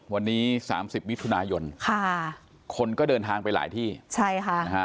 วันนี้สามสิบมิถุนายนค่ะคนก็เดินทางไปหลายที่ใช่ค่ะนะฮะ